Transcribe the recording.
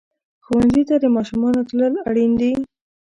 ښوونځي ته د ماشومانو تلل اړین دي.